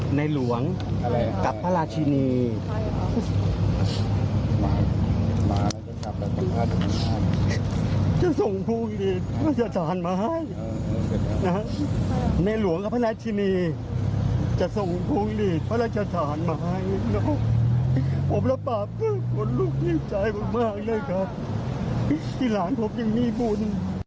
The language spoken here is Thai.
ผมรับปราบคนลูกนิดใจมากเลยครับที่หลานผมยังมีบุญ